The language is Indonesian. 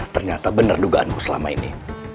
ternyata bener dugaanku selama ini